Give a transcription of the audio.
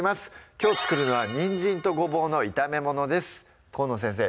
きょう作るのは「にんじんとゴボウの炒めもの」です河野先生